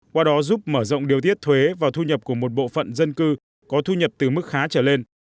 qua đó giúp mở rộng điều tiết thuế và thu nhập của một bộ phận dân cư có thu nhập từ mức khá trở lên